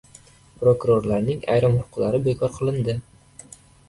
Prokurorlarning ayrim huquqlari bekor qilindi